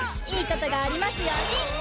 いいことがありますように！